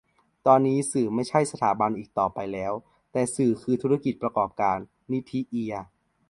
ตอนนี้สื่อไม่ใช่สถาบันอีกต่อไปแล้ว แต่สื่อคือธุรกิจประกอบการ - นิธิ เอีย